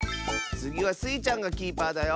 つぎはスイちゃんがキーパーだよ！